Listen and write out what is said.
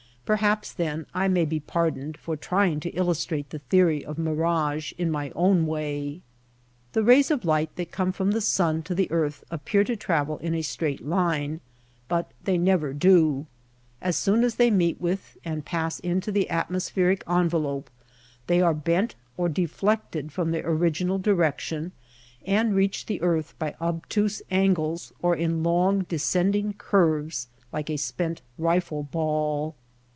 Perhaps then I may be pardoned for trying to illustrate the theory of mirage in my own way. The rays of light that come from the sun to the earth appear to travel in a straight line, but they never do. As soon as they meet with and pass into the atmospheric envelope they are bent or deflected from their original direction and reach the earth by obtuse angles or in long descending curves like a spent rifle ball.